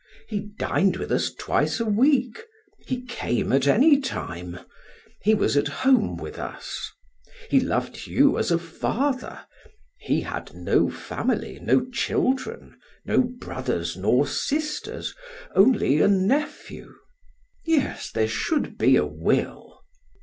He dined with us twice a week; he came at any time; he was at home with us. He loved you as a father; he had no family, no children, no brothers nor sisters, only a nephew. Yes, there should be a will.